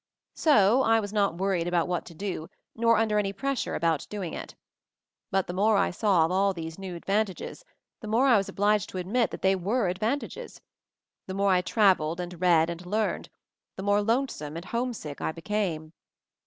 So I was not worried about what to do, nor under any pressure about doing it. But the more I saw of all these new advantages, the more I was obliged to admit that they were advantages; the more I traveled and read and learned, the more lonesome and homesick I became.